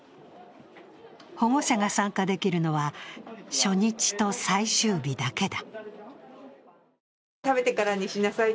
保護者が参加できるのは初日と最終日だけだ。